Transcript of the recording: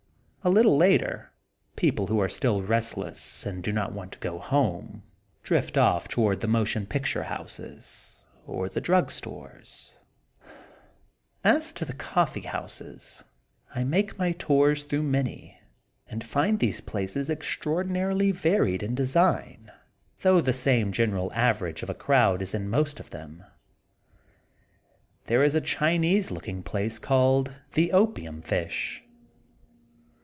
A little later people who are still restless and do not want to go home drift off toward the motion pictnre houses, or the drug stores or the coffee houses of Kusuko. As to the coffee houses, I make my tours through many and find these places extraordi narily varied in design, though the same gen eral average of a crowd is in most of them. There is a Chinese looking place called: The Opium Fish.